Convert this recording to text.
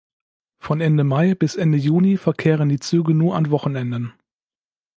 Von Ende Mai bis Ende Juni verkehren die Züge nur an Wochenenden.